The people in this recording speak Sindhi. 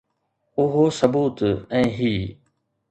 اهو ثبوت ۽ هي.